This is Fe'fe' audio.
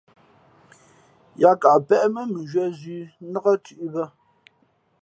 Yāā kαʼ péʼ mά mʉnzhwīē zʉ̄ nák thʉ̄ʼ bᾱ.